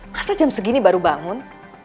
masa jam segini baru bangun